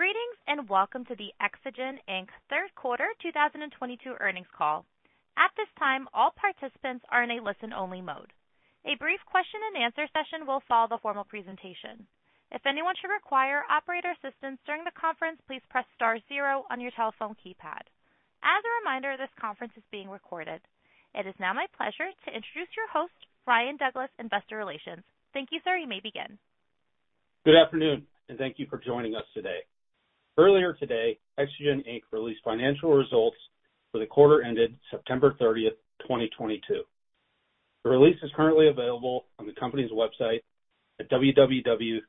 Greetings, and welcome to the Exagen Inc. Q3 2022 earnings call. At this time, all participants are in a listen-only mode. A brief question and answer session will follow the formal presentation. If anyone should require operator assistance during the conference, please press star zero on your telephone keypad. As a reminder, this conference is being recorded. It is now my pleasure to introduce your host, Ryan Douglas, Investor Relations. Thank you, sir. You may begin. Good afternoon, and thank you for joining us today. Earlier today, Exagen Inc. released financial results for the quarter ended September 30, 2022. The release is currently available on the company's website at www.exagen.com.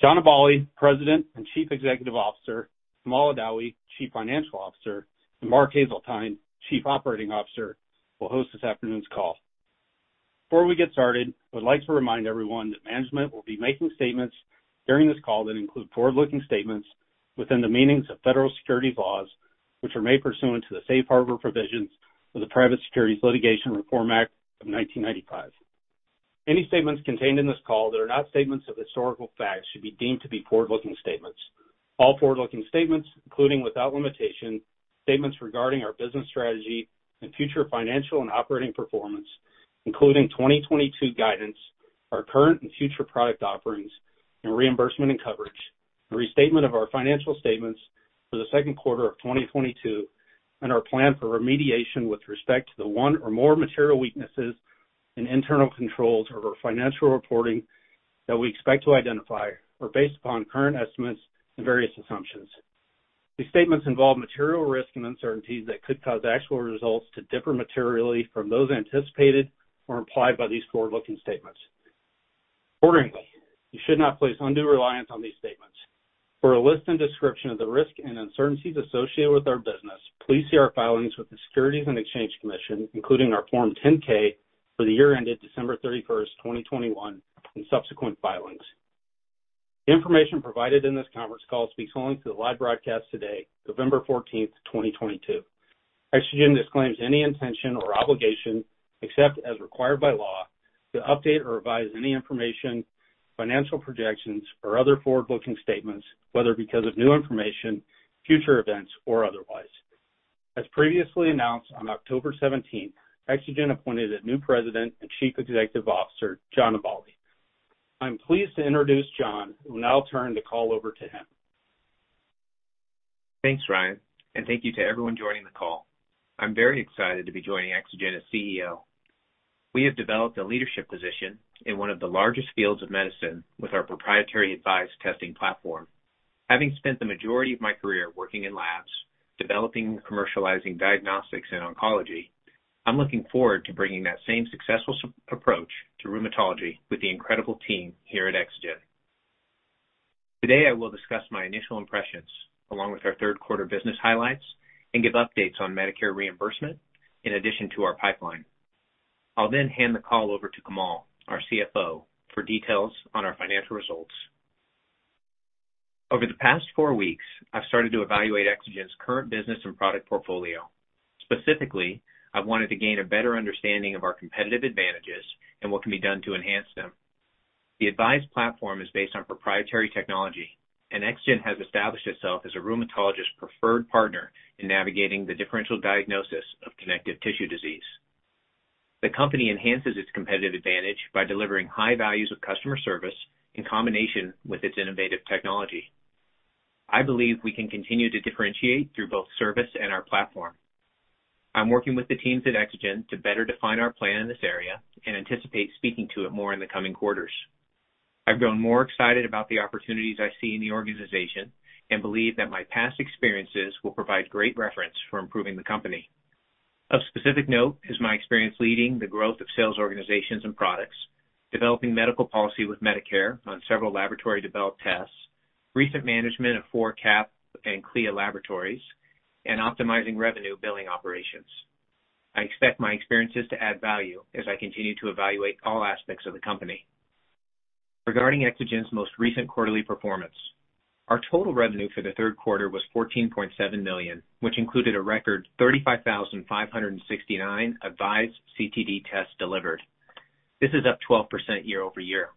John Aballi, President and Chief Executive Officer, Kamal Adawi, Chief Financial Officer, and Mark Hazeltine, Chief Operating Officer, will host this afternoon's call. Before we get started, I would like to remind everyone that management will be making statements during this call that include forward-looking statements within the meanings of federal securities laws, which are made pursuant to the safe harbor provisions of the Private Securities Litigation Reform Act of 1995. Any statements contained in this call that are not statements of historical facts should be deemed to be forward-looking statements. All forward-looking statements, including without limitation, statements regarding our business strategy and future financial and operating performance, including 2022 guidance, our current and future product offerings and reimbursement and coverage, the restatement of our financial statements for the Q2 of 2022 and our plan for remediation with respect to the one or more material weaknesses in internal controls over financial reporting that we expect to identify are based upon current estimates and various assumptions. These statements involve material risks and uncertainties that could cause actual results to differ materially from those anticipated or implied by these forward-looking statements. Accordingly, you should not place undue reliance on these statements. For a list and description of the risks and uncertainties associated with our business, please see our filings with the Securities and Exchange Commission, including our Form 10-K for the year ended December 31, 2021, and subsequent filings. The information provided in this conference call speaks only to the live broadcast today, November 14, 2022. Exagen disclaims any intention or obligation, except as required by law, to update or revise any information, financial projections or other forward-looking statements, whether because of new information, future events or otherwise. As previously announced on October 17, Exagen appointed a new President and Chief Executive Officer, John Aballi. I'm pleased to introduce John. I will now turn the call over to him. Thanks, Ryan, and thank you to everyone joining the call. I'm very excited to be joining Exagen as CEO. We have developed a leadership position in one of the largest fields of medicine with our proprietary AVISE testing platform. Having spent the majority of my career working in labs, developing and commercializing diagnostics in oncology, I'm looking forward to bringing that same successful approach to rheumatology with the incredible team here at Exagen. Today, I will discuss my initial impressions along with our Q3 business highlights and give updates on Medicare reimbursement in addition to our pipeline. I'll then hand the call over to Kamal, our CFO, for details on our financial results. Over the past four weeks, I've started to evaluate Exagen's current business and product portfolio. Specifically, I've wanted to gain a better understanding of our competitive advantages and what can be done to enhance them. The AVISE platform is based on proprietary technology, and Exagen has established itself as a rheumatologist preferred partner in navigating the differential diagnosis of connective tissue disease. The company enhances its competitive advantage by delivering high values of customer service in combination with its innovative technology. I believe we can continue to differentiate through both service and our platform. I'm working with the teams at Exagen to better define our plan in this area and anticipate speaking to it more in the coming quarters. I've grown more excited about the opportunities I see in the organization and believe that my past experiences will provide great reference for improving the company. Of specific note is my experience leading the growth of sales organizations and products, developing medical policy with Medicare on several laboratory-developed tests, recent management of four CAP and CLIA laboratories, and optimizing revenue billing operations. I expect my experiences to add value as I continue to evaluate all aspects of the company. Regarding Exagen's most recent quarterly performance, our total revenue for the Q3 was $14.7 million, which included a record 35,569 AVISE CTD tests delivered. This is up 12% year-over-year.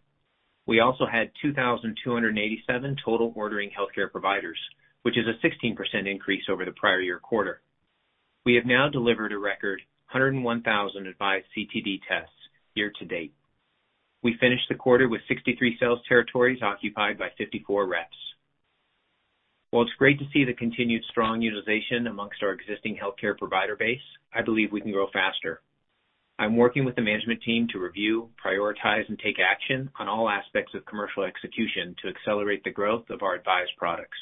We also had 2,287 total ordering healthcare providers, which is a 16% increase over the prior-year quarter. We have now delivered a record 101,000 AVISE CTD tests year-to-date. We finished the quarter with 63 sales territories occupied by 54 reps. While it's great to see the continued strong utilization among our existing healthcare provider base, I believe we can grow faster. I'm working with the management team to review, prioritize, and take action on all aspects of commercial execution to accelerate the growth of our AVISE products.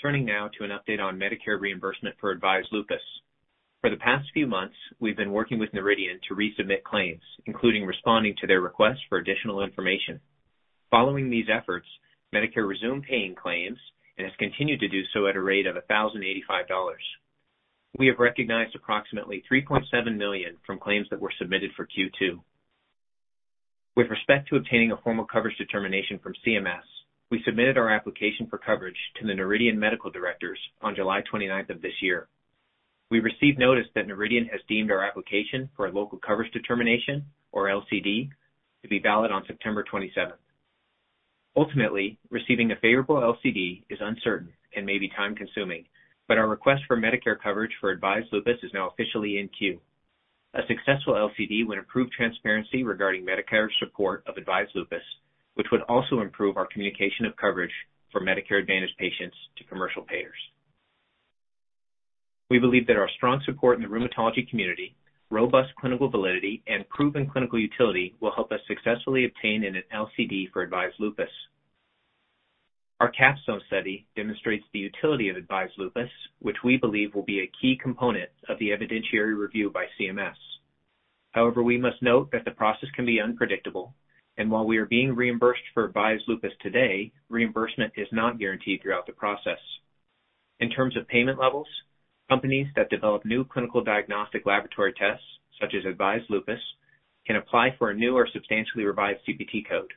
Turning now to an update on Medicare reimbursement for AVISE Lupus. For the past few months, we've been working with Noridian to resubmit claims, including responding to their request for additional information. Following these efforts, Medicare resumed paying claims and has continued to do so at a rate of $1,085. We have recognized approximately $3.7 million from claims that were submitted for Q2. With respect to obtaining a formal coverage determination from CMS, we submitted our application for coverage to the Noridian medical directors on July 29th of this year. We received notice that Noridian has deemed our application for a local coverage determination, or LCD, to be valid on September 27th. Ultimately, receiving a favorable LCD is uncertain and may be time-consuming, but our request for Medicare coverage for AVISE Lupus is now officially in queue. A successful LCD would improve transparency regarding Medicare support of AVISE Lupus, which would also improve our communication of coverage for Medicare Advantage patients to commercial payers. We believe that our strong support in the rheumatology community, robust clinical validity, and proven clinical utility will help us successfully obtain an LCD for AVISE Lupus. Our CAPSTONE study demonstrates the utility of AVISE Lupus, which we believe will be a key component of the evidentiary review by CMS. However, we must note that the process can be unpredictable, and while we are being reimbursed for AVISE Lupus today, reimbursement is not guaranteed throughout the process. In terms of payment levels, companies that develop new clinical diagnostic laboratory tests, such as AVISE Lupus, can apply for a new or substantially revised CPT code.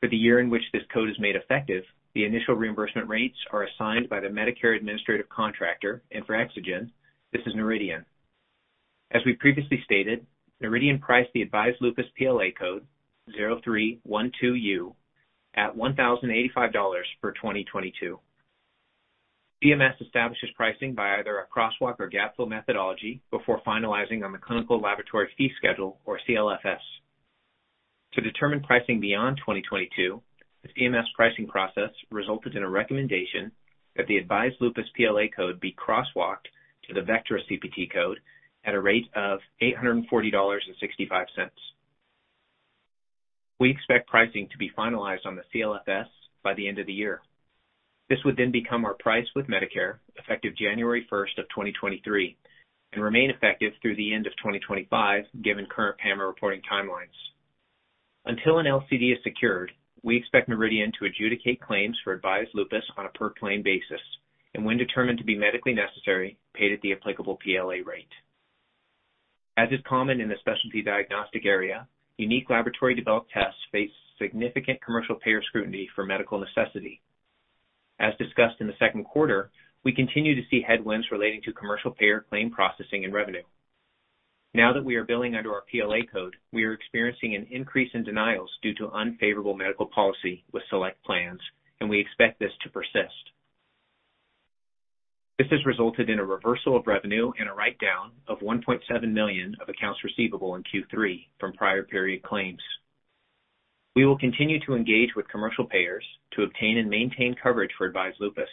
For the year in which this code is made effective, the initial reimbursement rates are assigned by the Medicare administrative contractor, and for Exagen, this is Noridian. As we previously stated, Noridian priced the AVISE Lupus PLA code 0312U at $1,085 for 2022. CMS establishes pricing by either a crosswalk or gap fill methodology before finalizing on the clinical laboratory fee schedule or CLFS. To determine pricing beyond 2022, the CMS pricing process resulted in a recommendation that the AVISE Lupus PLA code be crosswalked to the Vectra CPT code at a rate of $840.65. We expect pricing to be finalized on the CLFS by the end of the year. This would then become our price with Medicare effective January 1, 2023 and remain effective through the end of 2025, given current payment reporting timelines. Until an LCD is secured, we expect Noridian to adjudicate claims for AVISE Lupus on a per-claim basis, and when determined to be medically necessary, paid at the applicable PLA rate. As is common in the specialty diagnostic area, unique laboratory-developed tests face significant commercial payer scrutiny for medical necessity. As discussed in the Q2, we continue to see headwinds relating to commercial payer claim processing and revenue. Now that we are billing under our PLA code, we are experiencing an increase in denials due to unfavorable medical policy with select plans, and we expect this to persist. This has resulted in a reversal of revenue and a write-down of $1.7 million of accounts receivable in Q3 from prior period claims. We will continue to engage with commercial payers to obtain and maintain coverage for AVISE Lupus.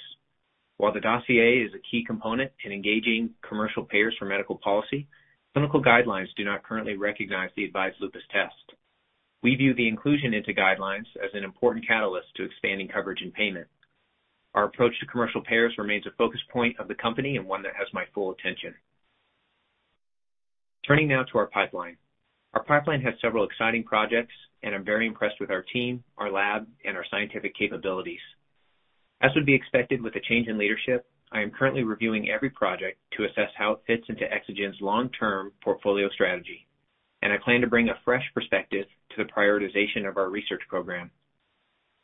While the dossier is a key component in engaging commercial payers for medical policy, clinical guidelines do not currently recognize the AVISE Lupus test. We view the inclusion into guidelines as an important catalyst to expanding coverage and payment. Our approach to commercial payers remains a focus point of the company and one that has my full attention. Turning now to our pipeline. Our pipeline has several exciting projects, and I'm very impressed with our team, our lab, and our scientific capabilities. As would be expected with the change in leadership, I am currently reviewing every project to assess how it fits into Exagen's long-term portfolio strategy, and I plan to bring a fresh perspective to the prioritization of our research program.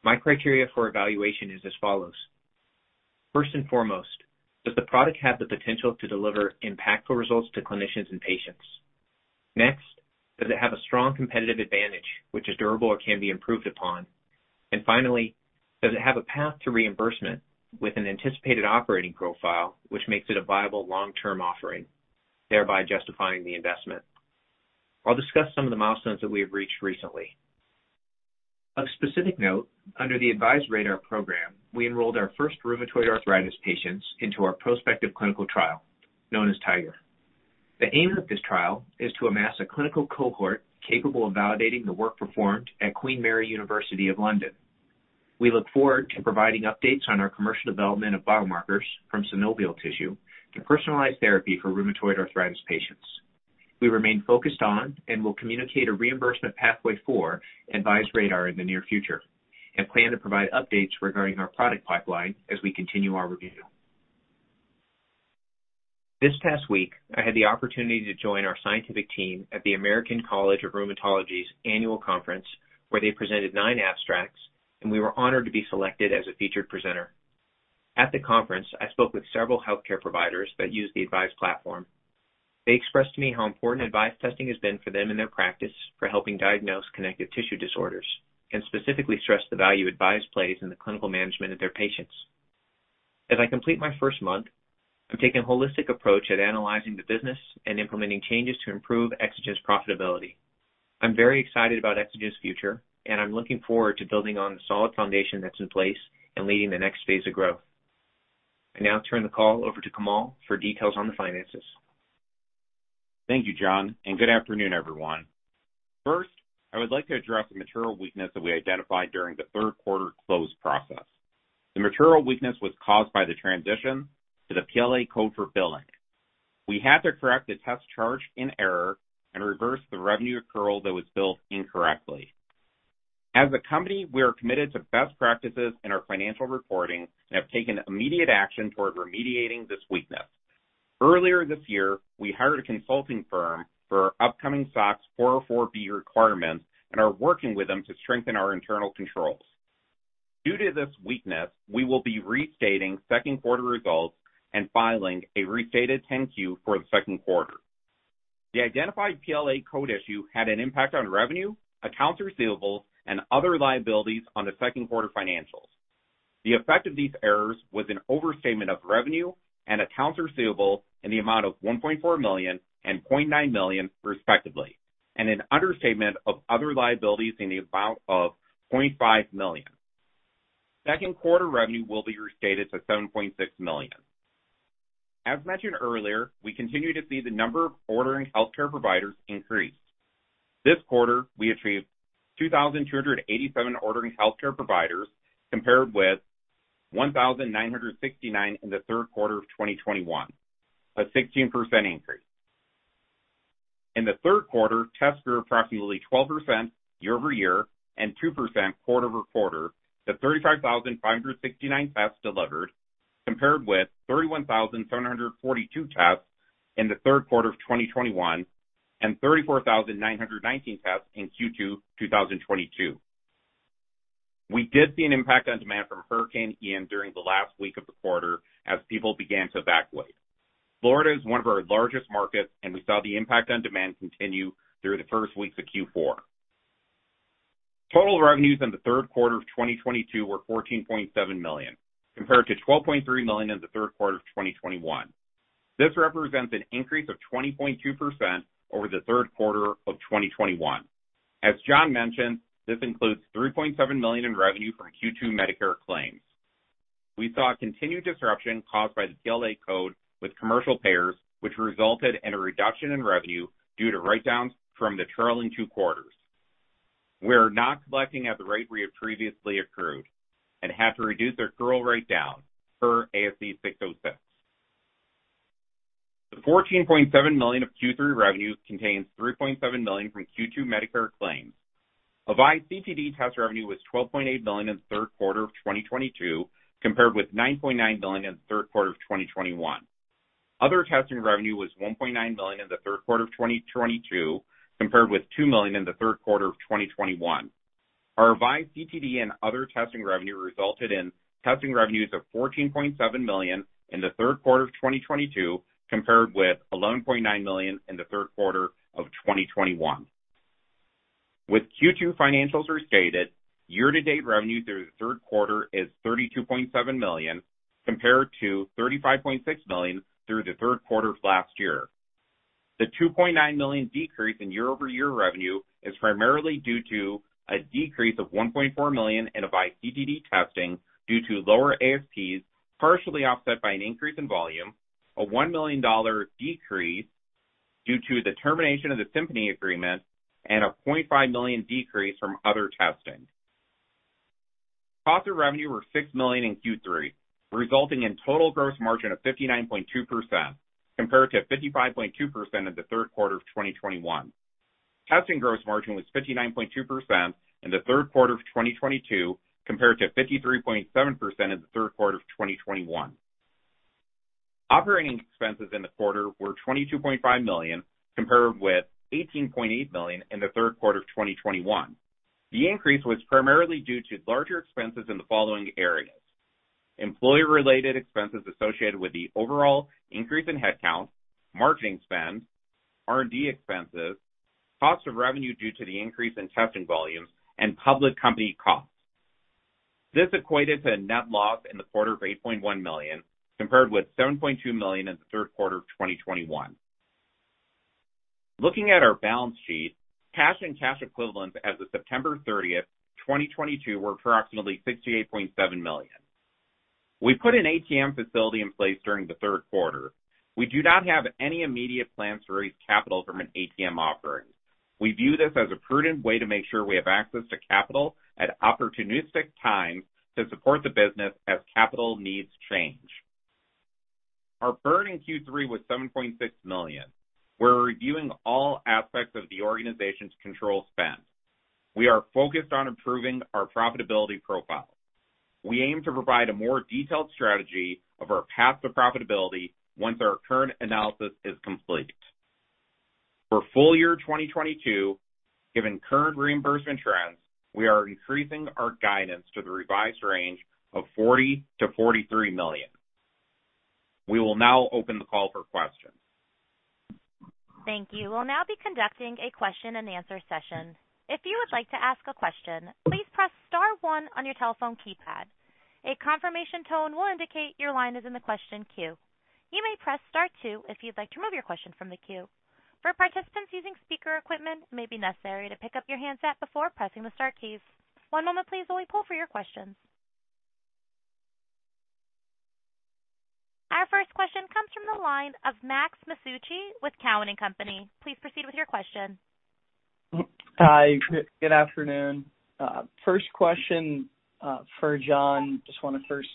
My criteria for evaluation is as follows. First and foremost, does the product have the potential to deliver impactful results to clinicians and patients? Next, does it have a strong competitive advantage which is durable or can be improved upon? And finally, does it have a path to reimbursement with an anticipated operating profile, which makes it a viable long-term offering, thereby justifying the investment? I'll discuss some of the milestones that we have reached recently. Of specific note, under the AVISE RADR program, we enrolled our first rheumatoid arthritis patients into our prospective clinical trial, known as TIGER. The aim of this trial is to amass a clinical cohort capable of validating the work performed at Queen Mary University of London. We look forward to providing updates on our commercial development of biomarkers from synovial tissue to personalize therapy for rheumatoid arthritis patients. We remain focused on and will communicate a reimbursement pathway for AVISE RADR in the near future and plan to provide updates regarding our product pipeline as we continue our review. This past week, I had the opportunity to join our scientific team at the American College of Rheumatology's annual conference, where they presented nine abstracts, and we were honored to be selected as a featured presenter. At the conference, I spoke with several healthcare providers that use the AVISE platform. They expressed to me how important AVISE testing has been for them in their practice for helping diagnose connective tissue disorders and specifically stressed the value AVISE plays in the clinical management of their patients. As I complete my first month, I'm taking a holistic approach at analyzing the business and implementing changes to improve Exagen's profitability. I'm very excited about Exagen's future, and I'm looking forward to building on the solid foundation that's in place and leading the next phase of growth. I now turn the call over to Kamal for details on the finances. Thank you, John, and good afternoon, everyone. First, I would like to address the material weakness that we identified during the Q3 close process. The material weakness was caused by the transition to the PLA code for billing. We had to correct the test charge in error and reverse the revenue accrual that was billed incorrectly. As a company, we are committed to best practices in our financial reporting and have taken immediate action toward remediating this weakness. Earlier this year, we hired a consulting firm for our upcoming SOX 404(b) requirements and are working with them to strengthen our internal controls. Due to this weakness, we will be restating Q2 results and filing a restated 10-Q for the Q2. The identified PLA code issue had an impact on revenue, accounts receivable, and other liabilities on the Q2 financials. The effect of these errors was an overstatement of revenue and accounts receivable in the amount of $1.4 million and $0.9 million respectively, and an understatement of other liabilities in the amount of $0.5 million. Q2 revenue will be restated to $7.6 million. As mentioned earlier, we continue to see the number of ordering healthcare providers increase. This quarter, we achieved 2,287 ordering healthcare providers compared with 1,969 in the Q3 of 2021, a 16% increase. In the Q3, tests grew approximately 12% year-over-year and 2% quarter-over-quarter to 35,569 tests delivered, compared with 31,742 tests in the Q3 of 2021 and 34,919 tests in Q2 2022. We did see an impact on demand from Hurricane Ian during the last week of the quarter as people began to evacuate. Florida is one of our largest markets, and we saw the impact on demand continue through the first weeks of Q4. Total revenues in the Q3 of 2022 were $14.7 million, compared to $12.3 million in the Q3 of 2021. This represents an increase of 20.2% over the Q3 of 2021. As John mentioned, this includes $3.7 million in revenue from Q2 Medicare claims. We saw a continued disruption caused by the PLA code with commercial payers, which resulted in a reduction in revenue due to write-downs from the trailing two quarters. We are not collecting at the rate we have previously accrued and have to reduce our accrual rate per ASC 606. The $14.7 million of Q3 revenue contains $3.7 million from Q2 Medicare claims. AVISE CTD test revenue was $12.8 million in the Q3 of 2022, compared with $9.9 million in the Q3 of 2021. Other testing revenue was $1.9 million in the Q3 of 2022, compared with $2 million in the Q3 of 2021. Our revised CTD and other testing revenue resulted in testing revenues of $14.7 million in the Q3 of 2022, compared with $11.9 million in the Q3 of 2021. With Q2 financials restated, year-to-date revenue through the Q3 is $32.7 million, compared to $35.6 million through the Q3 of last year. The $2.9 million decrease in year-over-year revenue is primarily due to a decrease of $1.4 million in iCTD testing due to lower ASPs, partially offset by an increase in volume, a $1 million dollar decrease due to the termination of the SIMPONI agreement, and a $0.5 million decrease from other testing. Cost of revenue were $6 million in Q3, resulting in total gross margin of 59.2%, compared to 55.2% in the Q3 of 2021. Testing gross margin was 59.2% in the Q3 of 2022, compared to 53.7% in the Q3 of 2021. Operating expenses in the quarter were $22.5 million, compared with $18.8 million in the Q3 of 2021. The increase was primarily due to larger expenses in the following areas, employee related expenses associated with the overall increase in headcount, marketing spend, R&D expenses, cost of revenue due to the increase in testing volumes, and public company costs. This equated to a net loss in the quarter of $8.1 million, compared with $7.2 million in the Q3 of 2021. Looking at our balance sheet, cash and cash equivalents as of September 30, 2022 were approximately $68.7 million. We put an ATM facility in place during the Q3. We do not have any immediate plans to raise capital from an ATM offering. We view this as a prudent way to make sure we have access to capital at opportunistic times to support the business as capital needs change. Our burn in Q3 was $7.6 million. We're reviewing all aspects of the organization to control spend. We are focused on improving our profitability profile. We aim to provide a more detailed strategy of our path to profitability once our current analysis is complete. For full year 2022, given current reimbursement trends, we are increasing our guidance to the revised range of $40 million–$43 million. We will now open the call for questions. Thank you. We'll now be conducting a question and answer session. If you would like to ask a question, please press star one on your telephone keypad. A confirmation tone will indicate your line is in the question queue. You may press star two if you'd like to remove your question from the queue. For participants using speaker equipment, it may be necessary to pick up your handset before pressing the star keys. One moment please while we poll for your questions. Our first question comes from the line of Max Masucci with Cowen and Company. Please proceed with your question. Hi. Good afternoon. First question for John. Just wanna first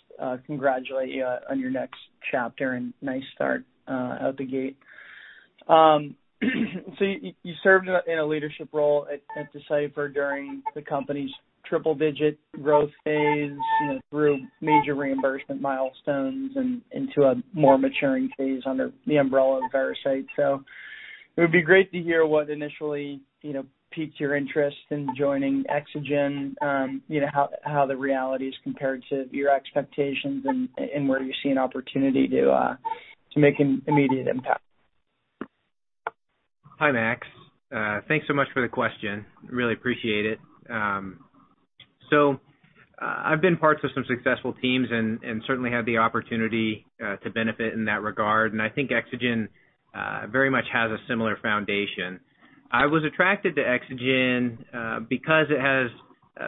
congratulate you on your next chapter and nice start out the gate. You served in a leadership role at Decipher during the company's triple digit growth phase, you know, through major reimbursement milestones and into a more maturing phase under the umbrella of Veracyte. It would be great to hear what initially, you know, piqued your interest in joining Exagen, you know, how the reality is compared to your expectations and where you see an opportunity to make an immediate impact. Hi, Max. Thanks so much for the question. Really appreciate it. I've been part of some successful teams and certainly had the opportunity to benefit in that regard, and I think Exagen very much has a similar foundation. I was attracted to Exagen because it has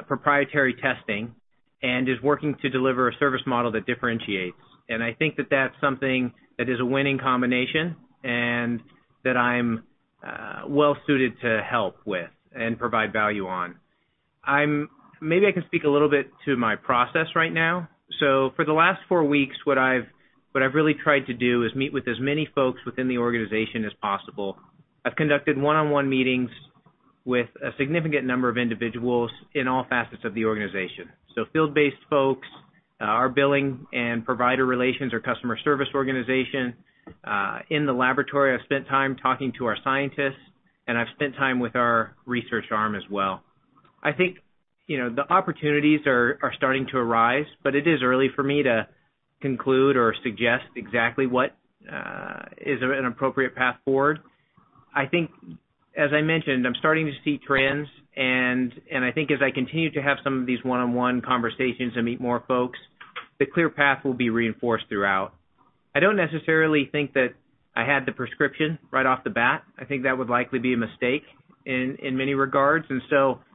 proprietary testing and is working to deliver a service model that differentiates. I think that that's something that is a winning combination and that I'm well suited to help with and provide value on. Maybe I can speak a little bit to my process right now. For the last four weeks, what I've really tried to do is meet with as many folks within the organization as possible. I've conducted one-on-one meetings with a significant number of individuals in all facets of the organization. Field-based folks, our billing and provider relations, or customer service organization. In the laboratory, I've spent time talking to our scientists, and I've spent time with our research arm as well. I think, you know, the opportunities are starting to arise, but it is early for me to conclude or suggest exactly what is an appropriate path forward. I think as I mentioned, I'm starting to see trends, and I think as I continue to have some of these one-on-one conversations and meet more folks, the clear path will be reinforced throughout. I don't necessarily think that I had the prescription right off the bat. I think that would likely be a mistake in many regards.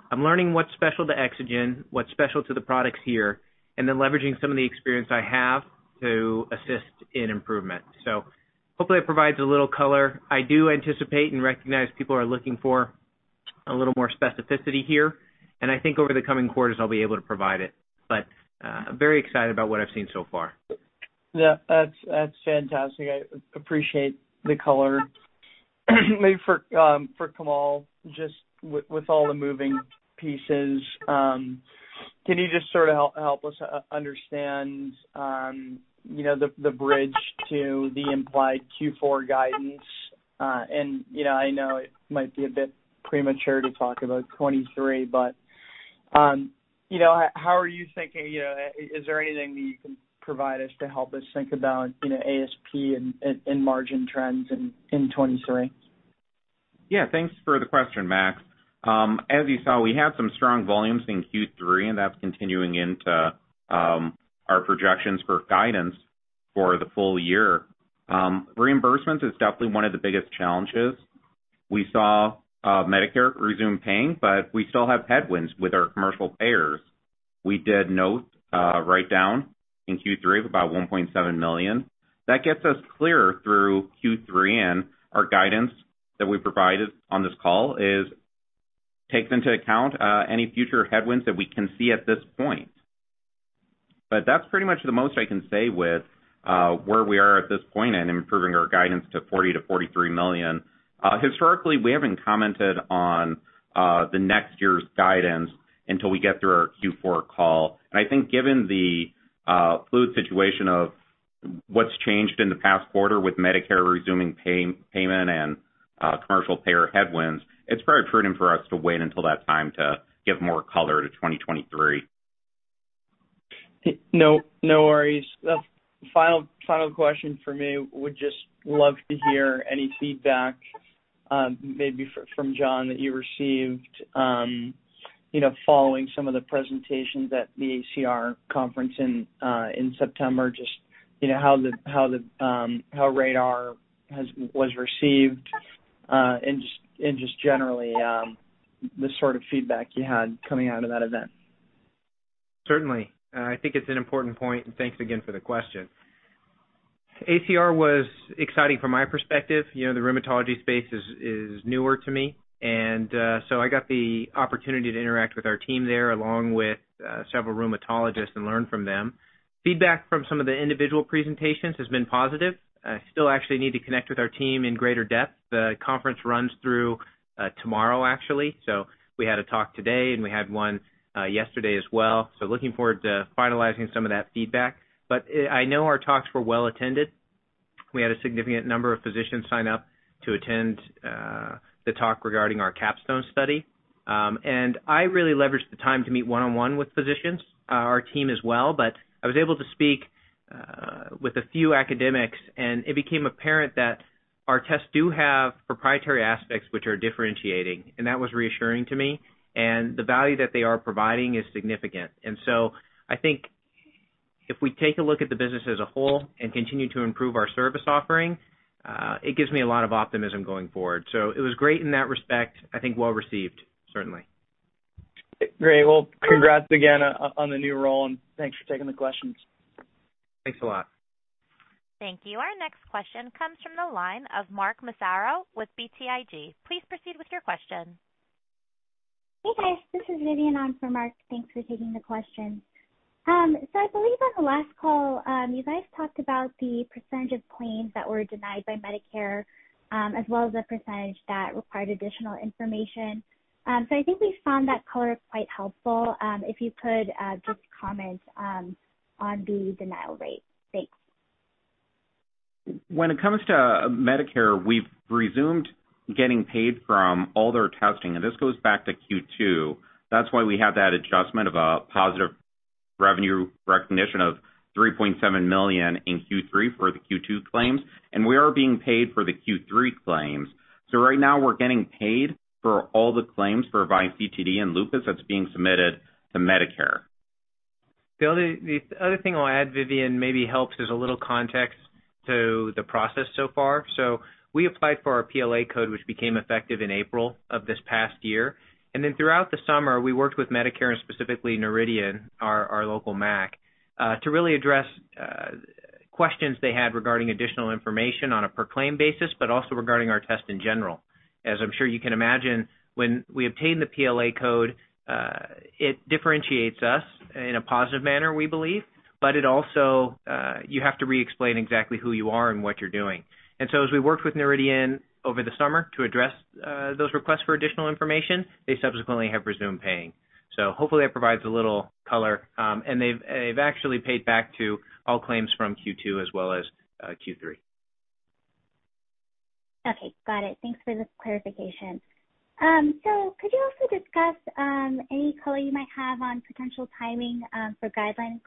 I'm learning what's special to Exagen, what's special to the products here, and then leveraging some of the experience I have to assist in improvement. Hopefully it provides a little color. I do anticipate and recognize people are looking for a little more specificity here, and I think over the coming quarters I'll be able to provide it. Very excited about what I've seen so far. Yeah. That's fantastic. I appreciate the color. Maybe for Kamal, just with all the moving pieces, can you just sort of help us understand the bridge to the implied Q4 guidance? I know it might be a bit premature to talk about 2023, but how are you thinking? Is there anything that you can provide us to help us think about ASP and margin trends in 2023? Yeah. Thanks for the question, Max. As you saw, we had some strong volumes in Q3, and that's continuing into our projections for guidance for the full year. Reimbursement is definitely one of the biggest challenges. We saw Medicare resume paying, but we still have headwinds with our commercial payers. We did note a write down in Q3 of about $1.7 million. That gets us clear through Q3, and our guidance that we provided on this call takes into account any future headwinds that we can see at this point. That's pretty much the most I can say with where we are at this point and improving our guidance to $40 million–$43 million. Historically, we haven't commented on the next year's guidance until we get through our Q4 call. I think given the fluid situation of what's changed in the past quarter with Medicare resuming payment and commercial payer headwinds, it's very prudent for us to wait until that time to give more color to 2023. No, no worries. The final question for me would just love to hear any feedback, maybe from John Aballi, that you received, you know, following some of the presentations at the ACR conference in September. Just, you know, how RADR was received, and just generally, the sort of feedback you had coming out of that event. Certainly. I think it's an important point, and thanks again for the question. ACR was exciting from my perspective. You know, the rheumatology space is newer to me. I got the opportunity to interact with our team there, along with several rheumatologists and learn from them. Feedback from some of the individual presentations has been positive. I still actually need to connect with our team in greater depth. The conference runs through tomorrow, actually, so we had a talk today and we had one yesterday as well. Looking forward to finalizing some of that feedback. I know our talks were well attended. We had a significant number of physicians sign up to attend the talk regarding our Capstone study. I really leveraged the time to meet one-on-one with physicians, our team as well. I was able to speak with a few academics, and it became apparent that our tests do have proprietary aspects which are differentiating, and that was reassuring to me. The value that they are providing is significant. I think if we take a look at the business as a whole and continue to improve our service offering, it gives me a lot of optimism going forward. It was great in that respect. I think well received, certainly. Great. Well, congrats again on the new role, and thanks for taking the questions. Thanks a lot. Thank you. Our next question comes from the line of Mark Massaro with BTIG. Please proceed with your question. Hey, guys, this is Vidyun on for Mark. Thanks for taking the question. I believe on the last call, you guys talked about the percentage of claims that were denied by Medicare, as well as the percentage that required additional information. I think we found that color quite helpful. If you could just comment on the denial rate. Thanks. When it comes to Medicare, we've resumed getting paid from all their testing, and this goes back to Q2. That's why we have that adjustment of a positive revenue recognition of $3.7 million in Q3 for the Q2 claims. We are being paid for the Q3 claims. Right now we're getting paid for all the claims for AVISE CTD and AVISE Lupus that's being submitted to Medicare. The other thing I'll add, Vidyun, maybe helps, is a little context to the process so far. We applied for our PLA code, which became effective in April of this past year. Throughout the summer, we worked with Medicare and specifically Noridian, our local MAC, to really address questions they had regarding additional information on a per claim basis, but also regarding our test in general. As I'm sure you can imagine, when we obtain the PLA code, it differentiates us in a positive manner, we believe. It also you have to re-explain exactly who you are and what you're doing. As we worked with Noridian over the summer to address those requests for additional information, they subsequently have resumed paying. Hopefully that provides a little color. They've actually paid back to all claims from Q2 as well as Q3. Okay, got it. Thanks for the clarification. Could you also discuss any color you might have on potential timing for guideline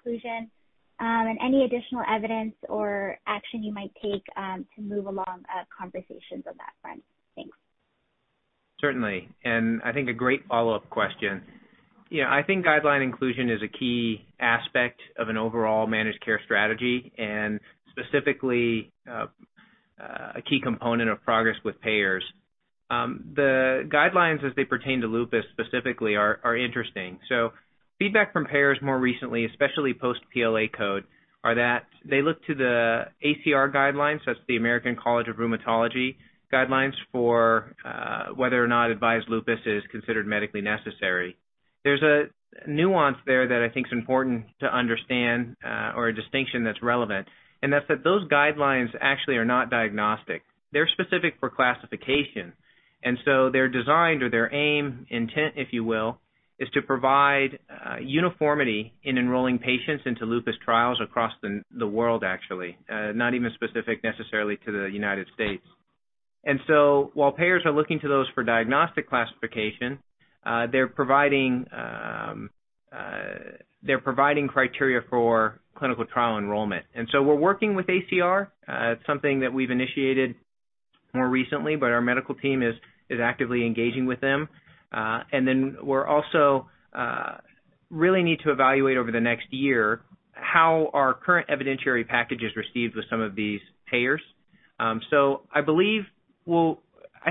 inclusion and any additional evidence or action you might take to move along conversations on that front? Thanks. Certainly. I think a great follow-up question. You know, I think guideline inclusion is a key aspect of an overall managed care strategy and specifically, a key component of progress with payers. The guidelines as they pertain to lupus specifically are interesting. Feedback from payers more recently, especially post PLA code, is that they look to the ACR guidelines, that's the American College of Rheumatology guidelines for, whether or not AVISE Lupus is considered medically necessary. There's a nuance there that I think is important to understand, or a distinction that's relevant, and that's that those guidelines actually are not diagnostic. They're specific for classification, and they're designed or their aim, intent, if you will, is to provide, uniformity in enrolling patients into lupus trials across the world, actually, not even specific necessarily to the United States. While payers are looking to those for diagnostic classification, they're providing criteria for clinical trial enrollment. We're working with ACR. It's something that we've initiated more recently, but our medical team is actively engaging with them. We really need to evaluate over the next year how our current evidentiary package is received with some of these payers. I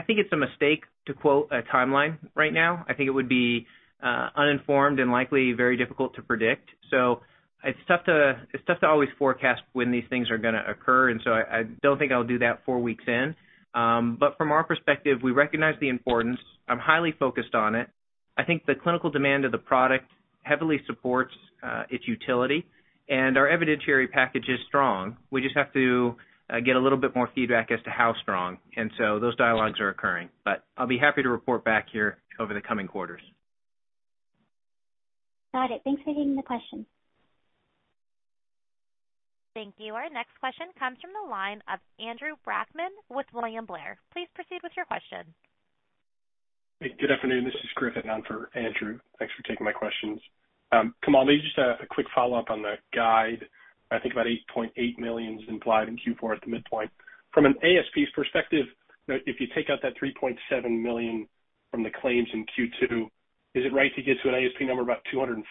think it's a mistake to quote a timeline right now. I think it would be uninformed and likely very difficult to predict. It's tough to always forecast when these things are gonna occur. I don't think I'll do that four weeks in. From our perspective, we recognize the importance. I'm highly focused on it. I think the clinical demand of the product heavily supports its utility and our evidentiary package is strong. We just have to get a little bit more feedback as to how strong. Those dialogues are occurring. I'll be happy to report back here over the coming quarters. Got it. Thanks for taking the question. Thank you. Our next question comes from the line of Andrew Brackmann with William Blair. Please proceed with your question. Hey, good afternoon. This is Griffin on for Andrew. Thanks for taking my questions. Kamal, maybe just a quick follow-up on the guide. I think about $8.8 million is implied in Q4 at the midpoint. From an ASPs perspective, you know, if you take out that $3.7 million from the claims in Q2, is it right to get to an ASP number about $250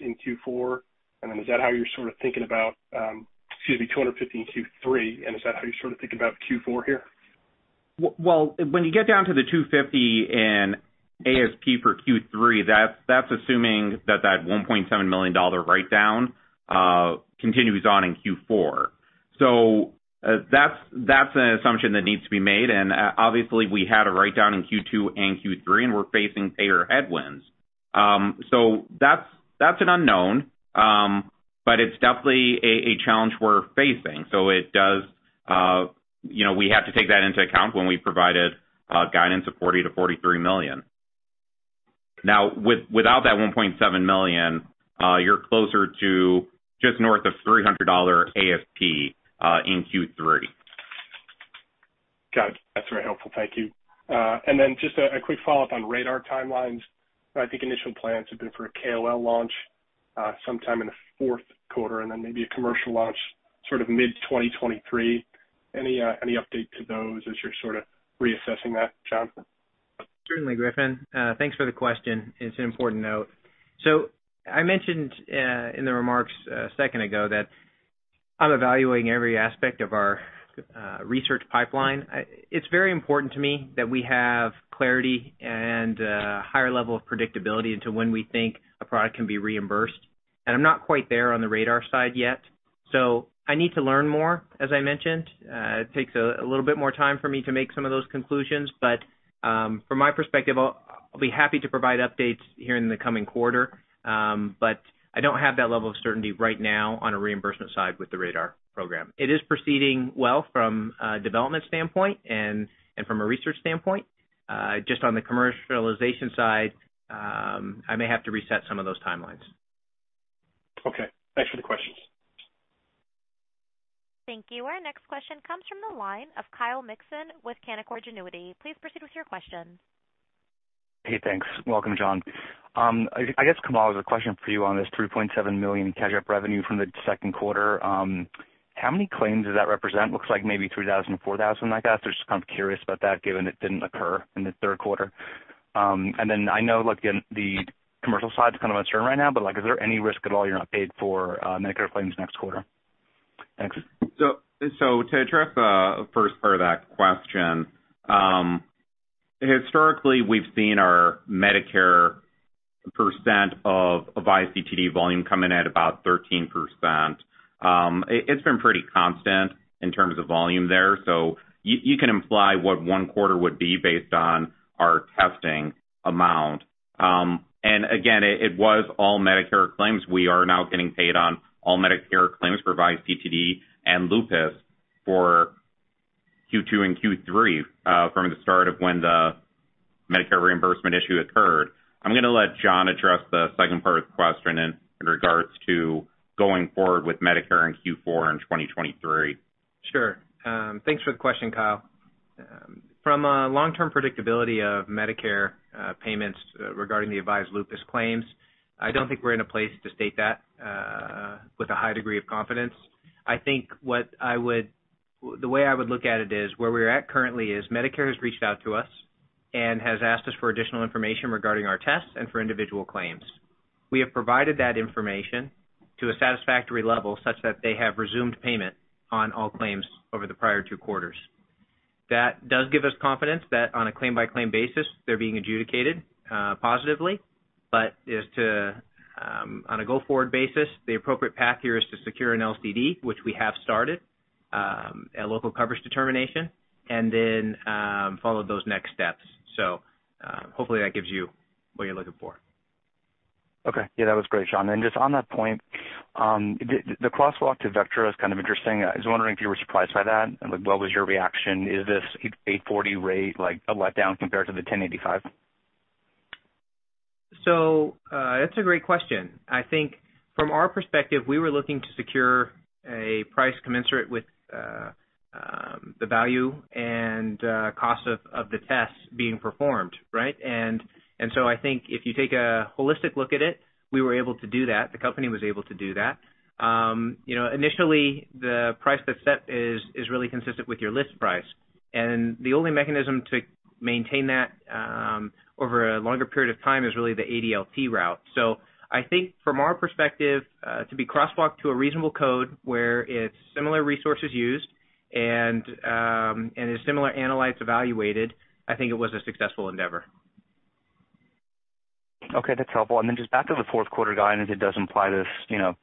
in Q4? And then is that how you're sort of thinking about, Excuse me, $250 in Q3. And is that how you're sort of thinking about Q4 here? Well, when you get down to the 250 in ASP for Q3, that's assuming that $1.7 million write-down continues on in Q4. That's an assumption that needs to be made. Obviously, we had a write-down in Q2 and Q3, and we're facing payer headwinds. That's an unknown. It's definitely a challenge we're facing. It does, you know, we have to take that into account when we provided guidance of $40 million–$43 million. Now without that $1.7 million, you're closer to just north of $300 ASP in Q3. Got it. That's very helpful. Thank you. Just a quick follow-up on RADR timelines. I think initial plans have been for a KOL launch, sometime in the Q4 and then maybe a commercial launch sort of mid-2023. Any update to those as you're sorta reassessing that, John Aballi? Certainly, Griffin. Thanks for the question. It's an important note. I mentioned in the remarks a second ago that I'm evaluating every aspect of our research pipeline. It's very important to me that we have clarity and a higher level of predictability into when we think a product can be reimbursed. I'm not quite there on the radar side yet, so I need to learn more, as I mentioned. It takes a little bit more time for me to make some of those conclusions. From my perspective, I'll be happy to provide updates here in the coming quarter. I don't have that level of certainty right now on a reimbursement side with the radar program. It is proceeding well from a development standpoint and from a research standpoint. Just on the commercialization side, I may have to reset some of those timelines. Okay, thanks for the questions. Thank you. Our next question comes from the line of Kyle Mikson with Canaccord Genuity. Please proceed with your questions. Hey, thanks. Welcome, John. I guess, Kamal, it was a question for you on this $3.7 million catch-up revenue from the Q2. How many claims does that represent? Looks like maybe 3,000 or 4,000, I guess. Just kind of curious about that, given it didn't occur in the Q3. I know, like in the commercial side is kind of uncertain right now, but, like, is there any risk at all you're not paid for Medicare claims next quarter? Thanks. To address the first part of that question, historically, we've seen our Medicare percent of AVISE CTD volume coming at about 13%. It's been pretty constant in terms of volume there. You can imply what one quarter would be based on our testing amount. And again, it was all Medicare claims. We are now getting paid on all Medicare claims for AVISE CTD and AVISE Lupus for Q2 and Q3 from the start of when the Medicare reimbursement issue occurred. I'm gonna let John address the second part of the question in regards to going forward with Medicare in Q4 in 2023. Sure. Thanks for the question, Kyle. From a long-term predictability of Medicare payments, regarding the AVISE Lupus claims, I don't think we're in a place to state that with a high degree of confidence. I think the way I would look at it is where we're at currently is Medicare has reached out to us and has asked us for additional information regarding our tests and for individual claims. We have provided that information to a satisfactory level such that they have resumed payment on all claims over the prior two quarters. That does give us confidence that on a claim-by-claim basis, they're being adjudicated positively. As to, on a go-forward basis, the appropriate path here is to secure an LCD, which we have started, a local coverage determination, and then follow those next steps. Hopefully, that gives you what you're looking for. Okay. Yeah, that was great, John. Just on that point, the crosswalk to Vectra is kind of interesting. I was wondering if you were surprised by that and what was your reaction? Is this $840 rate like a letdown compared to the $1,085? That's a great question. I think from our perspective, we were looking to secure a price commensurate with the value and cost of the tests being performed, right? I think if you take a holistic look at it, we were able to do that. The company was able to do that. You know, initially, the price that's set is really consistent with your list price. The only mechanism to maintain that over a longer period of time is really the ADLT route. I think from our perspective, to be crosswalked to a reasonable code where it's similar resources used and a similar analyte evaluated, I think it was a successful endeavor. Okay, that's helpful. Just back to the Q4 guidance, it does imply this, you know,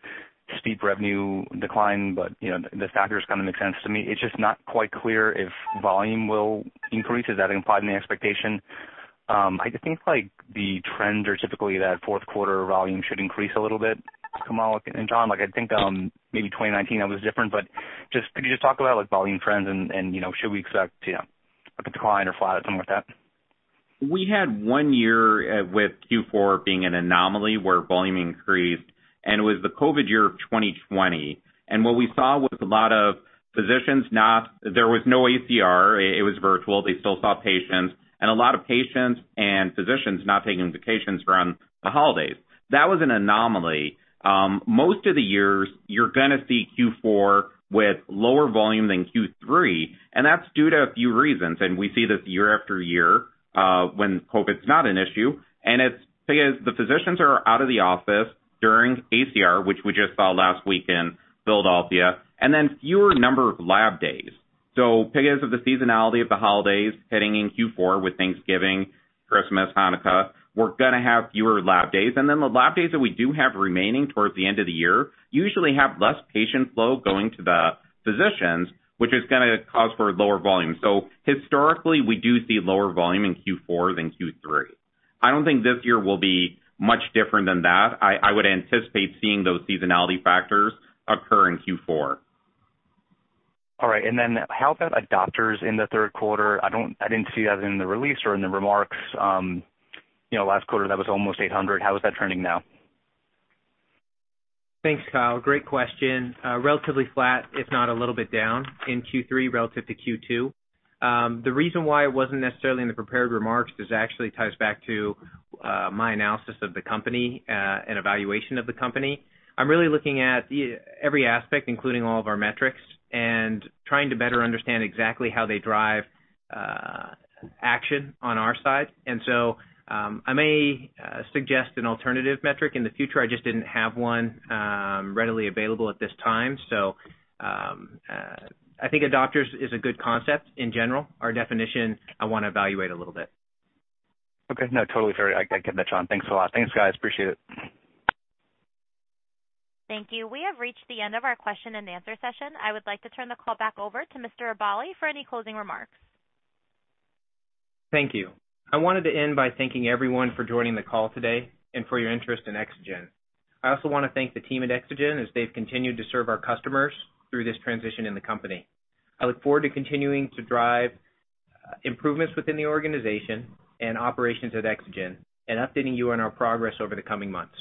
steep revenue decline, but, you know, the factors kind of make sense to me. It's just not quite clear if volume will increase. Is that implied in the expectation? I think, like, the trends are typically that Q4 volume should increase a little bit, Kamal and John. Like, I think, maybe 2019 that was different, but just could you talk about, like, volume trends and, you know, should we expect, you know, a decline or flat or something like that? We had one year with Q4 being an anomaly where volume increased, and it was the COVID year of 2020. What we saw was a lot of physicians. There was no ACR. It was virtual. They still saw patients and a lot of patients and physicians not taking vacations around the holidays. That was an anomaly. Most of the years you're gonna see Q4 with lower volume than Q3, and that's due to a few reasons. We see this year after year when COVID's not an issue. It's because the physicians are out of the office during ACR, which we just saw last week in Philadelphia, and then fewer number of lab days. Because of the seasonality of the holidays hitting in Q4 with Thanksgiving, Christmas, Hanukkah, we're gonna have fewer lab days. The lab days that we do have remaining towards the end of the year usually have less patient flow going to the physicians, which is gonna cause for lower volume. Historically, we do see lower volume in Q4 than Q3. I don't think this year will be much different than that. I would anticipate seeing those seasonality factors occur in Q4. All right. How about adopters in the Q3? I didn't see that in the release or in the remarks. You know, last quarter, that was almost 800. How is that trending now? Thanks, Kyle. Great question. Relatively flat, if not a little bit down in Q3 relative to Q2. The reason why it wasn't necessarily in the prepared remarks. This actually ties back to my analysis of the company and evaluation of the company. I'm really looking at every aspect, including all of our metrics, and trying to better understand exactly how they drive action on our side. I may suggest an alternative metric in the future. I just didn't have one readily available at this time. I think adoption is a good concept in general. Our definition, I wanna evaluate a little bit. Okay. No, totally fair. I get that, John. Thanks a lot. Thanks, guys. Appreciate it. Thank you. We have reached the end of our question and answer session. I would like to turn the call back over to Mr. Aballi for any closing remarks. Thank you. I wanted to end by thanking everyone for joining the call today and for your interest in Exagen. I also wanna thank the team at Exagen as they've continued to serve our customers through this transition in the company. I look forward to continuing to drive improvements within the organization and operations at Exagen and updating you on our progress over the coming months.